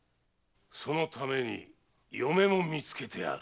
そのために嫁も見つけてある。